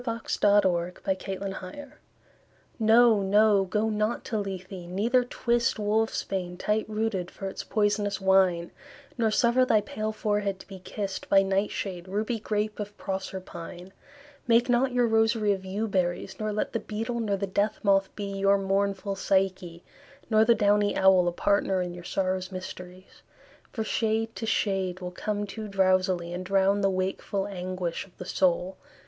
John Keats Ode on Melancholy NO, no, go not to Lethe, neither twist Wolf's bane, tight rooted, for its poisonous wine; Nor suffer thy pale forehead to be kiss'd By nightshade, ruby grape of Proserpine; Make not your rosary of yew berries, Nor let the beetle, nor the death moth be Your mournful Psyche, nor the downy owl A partner in your sorrow's mysteries; For shade to shade will come too drowsily, And drown the wakeful anguish of the soul.